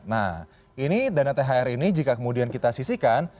nah ini dana thr ini jika kemudian kita sisihkan